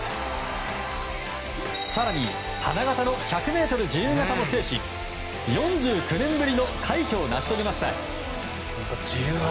更に花形の１００ｍ自由形も制し４９年ぶりの快挙を成し遂げました。